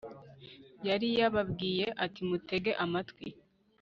yari yababwiye ati mutege amatwi